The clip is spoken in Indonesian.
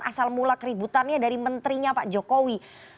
asal mula keributannya dari menterinya pak jokowi